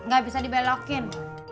gak bisa dibelokin